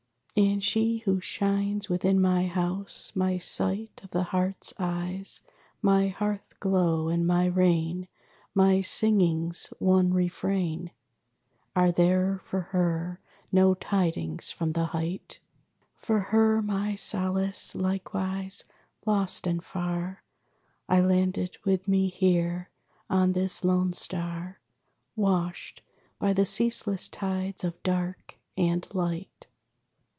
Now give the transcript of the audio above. And she who shines within my house, my sight Of the heart's eyes, my hearth glow, and my rain, My singing's one refrain Are there for her no tidings from the height? For her, my solace, likewise lost and far, Islanded with me here, on this lone star Washed by the ceaseless tides of dark and light.